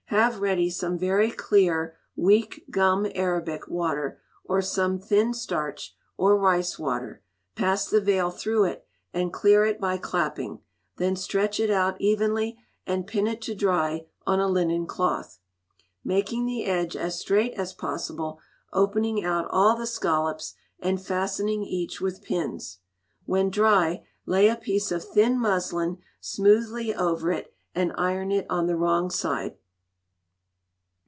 Have ready some very clear weak gum arabic water, or some thin starch, or rice water; pass the veil through it, and clear it by clapping; then stretch it out evenly, and pin it to dry on a linen cloth, making the edge as straight as possible, opening out all the scallops, and fastening each with pins. When dry, lay a piece of thin muslin smoothly over it, and iron it on the wrong side.